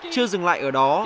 chưa dừng lại ở đó